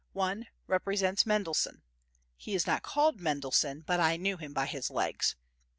One represents Mendelssohn. He is not called Mendelssohn, but I knew him by his legs.